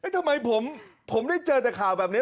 ทำไมผมได้เจอแต่ข่าวแบบนี้